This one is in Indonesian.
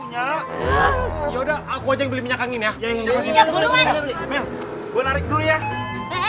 ya udah aku aja yang beli minyak angin ya